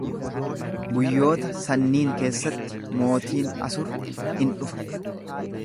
Guyyoota sanniin keessatti mootiin Asur in dhufa.